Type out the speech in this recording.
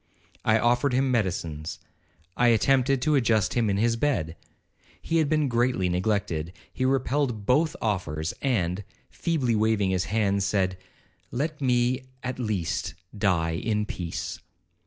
'I offered him medicines—I attempted to adjust him in his bed. He had been greatly neglected. He repelled both offers, and, feebly waving his hand, said, 'Let me, at least, die in peace.'